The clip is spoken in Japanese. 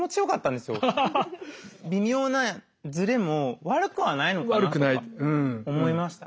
微妙なズレも悪くはないのかなとか思いました。